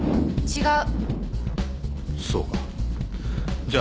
違う。